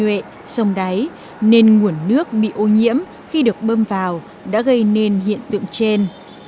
nhuệ sông đáy nên nguồn nước bị ô nhiễm khi được bơm vào đã gây nên hiện tượng trên